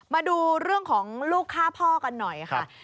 มาดูเรื่องของลูกฆ่าพ่อกันหน่อยค่ะ